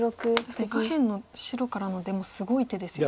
そして下辺の白からの出もすごい手ですよね。